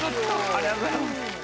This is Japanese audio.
ありがとうございます。